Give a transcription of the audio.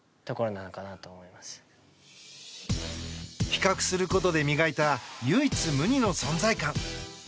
比較することで磨いた唯一無二の存在感。